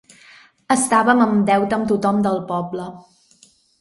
Estàvem en deute amb tothom del poble.